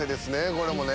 これもね。